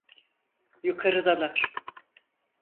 Yukarıdalar.